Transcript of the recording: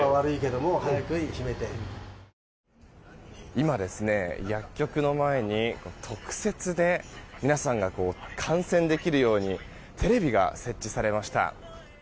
今、薬局の前に特設で皆さんが観戦できるようにテレビが設置されました。